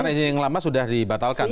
karena ini yang lama sudah dibatalkan tadi